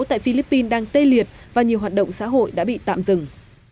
tại philippines đang tê liệt và nhiều hoạt động xã hội đã bị tạm dừng